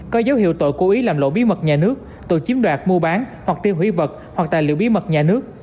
có dấu hiệu tội cố ý làm lộ bí mật nhà nước tội chiếm đoạt mua bán hoặc tiêu hủy vật hoặc tài liệu bí mật nhà nước